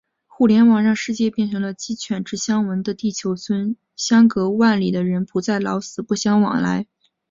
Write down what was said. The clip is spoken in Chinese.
互联网让世界变成了“鸡犬之声相闻”的地球村，相隔万里的人们不再“老死不相往来”。